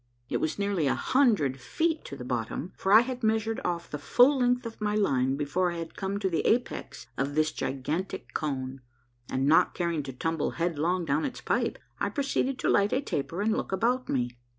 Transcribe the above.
It was nearly a hundred feet to the bottom, for I had measured off the full length of my line before I had come to the apex of this gigantic cone, and not caring to tumble headlong down its pipe, I proceeded to light a taper and look about me.